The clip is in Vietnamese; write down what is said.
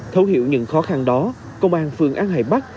thấu hiểu những khó khăn đó công an phường an hải bắc